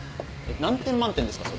何点満点ですか？